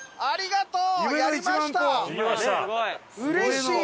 ありがとう。